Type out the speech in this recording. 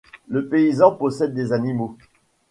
le paysan possède des animaux